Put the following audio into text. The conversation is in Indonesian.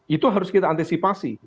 itu harus kita antisipasi